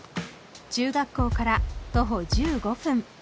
中学校から徒歩１５分。